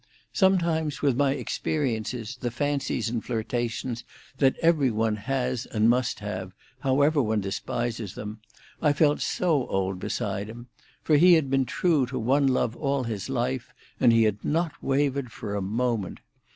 Sometimes with my experiences, the fancies and flirtations that every one has and must have, however one despises them, I felt so old beside him; for he had been true to one love all his life, and he had not wavered for a moment.